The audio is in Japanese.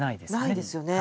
ないですよね。